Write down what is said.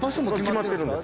決まってるんです。